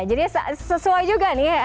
jadi sesuai juga nih